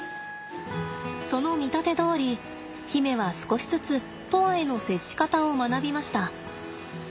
その見立てどおり媛は少しずつ砥愛への接し方を学びました。